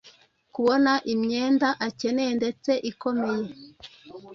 kubona imyenda akeneye ndetse ikomeye,